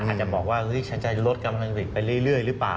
อาจจะบอกว่าฉันจะลดกำลังผลิตไปเรื่อยหรือเปล่า